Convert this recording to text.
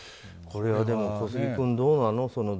これはでも、小杉君どうなの。